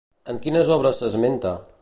En quines obres s'esmenta?